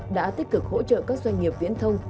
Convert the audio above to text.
đã tích cực hỗ trợ các doanh nghiệp viễn thông